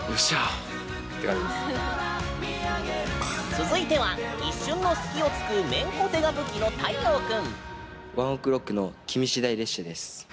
続いては一瞬の隙を突く面小手が武器のタイヨウ君。